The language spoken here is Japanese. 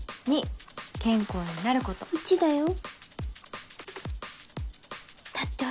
２健康になること１だよだって